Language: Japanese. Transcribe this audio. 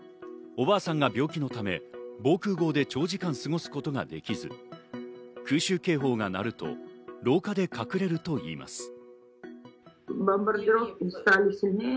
おばあさんが病気のため、防空壕で長時間過ごすことができず、空襲警報が鳴ると廊下で隠れるといいます。